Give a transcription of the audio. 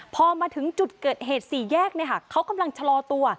พอมาถึงจุดเกิดเหตุสี่แยกเนี่ยค่ะเขากำลังจะรอตัว